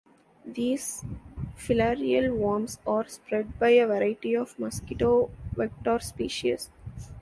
These filarial worms are spread by a variety of mosquito vector species.